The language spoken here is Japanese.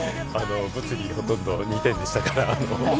物理はほとんど２点でしたから。